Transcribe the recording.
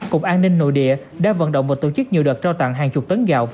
cục an ninh nội địa đã vận động và tổ chức nhiều đợt trao tặng hàng chục tấn gạo và rau củ quả